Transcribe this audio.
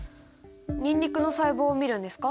ニンニクの細胞を見るんですか？